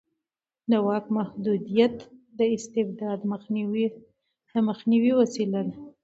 د واک محدودیت د استبداد د مخنیوي وسیله ده